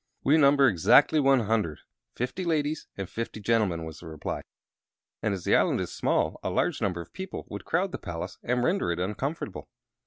"We number exactly one hundred fifty ladies and fifty gentlemen," was the reply. "And, as the island is small, a large number of people would crowd the palace and render it uncomfortable.